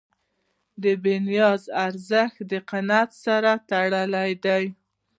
د بېنیازۍ ارزښت د قناعت سره تړلی دی.